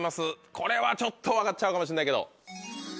これはちょっと分かっちゃうかもしんないけど。